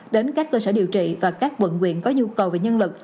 đến các cơ sở điều trị và các bệnh viện có nhu cầu về nhân lực